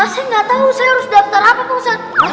makasih nggak tahu saya harus daftar apa pak ustadz